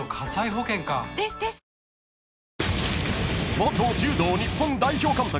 ［元柔道日本代表監督